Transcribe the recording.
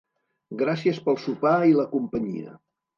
Gràcies pel sopar i la companyia.